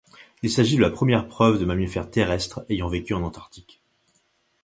Il s'agit de la première preuve de mammifères terrestres ayant vécu en Antarctique.